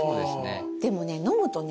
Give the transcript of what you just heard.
でもね飲むとね